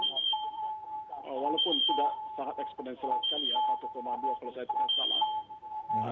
walaupun tidak sangat ekspansilatkan ya satu dua kalau saya tidak salah